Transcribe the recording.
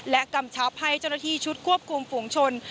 และกำชับให้เจ้าหน้าที่ชุดควบคุมฝุงชน